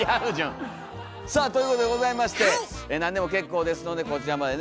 さあということでございまして何でも結構ですのでこちらまでね